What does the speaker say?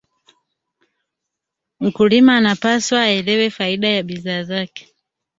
Mkulima anapaswa aelewe faida ya bidhaa zake